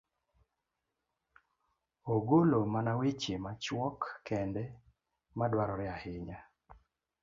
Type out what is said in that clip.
ogolo mana weche machuok kendo ma dwarore ahinya.